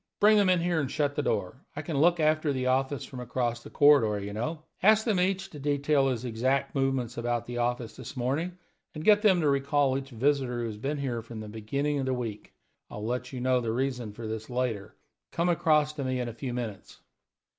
Bring them in here and shut the door; I can look after the office from across the corridor, you know. Ask them each to detail his exact movements about the office this morning, and get them to recall each visitor who has been here from the beginning of the week. I'll let you know the reason of this later. Come across to me in a few minutes."